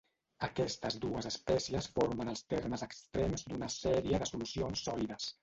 Aquestes dues espècies formen els termes extrems d'una sèrie de solucions sòlides.